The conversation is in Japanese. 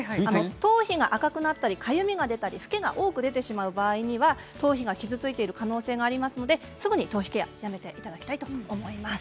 頭皮が赤くなったりかゆみが出たりフケが多く出たりする場合は頭皮が傷ついている可能性がありますので、すぐに頭皮ケアをやめていただきたいと思います。